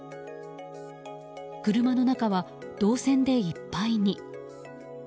車の中は銅線でいっぱいに。